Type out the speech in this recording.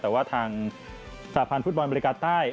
แต่ว่าทางสาธารณ์ฟุตบอลบริการใต้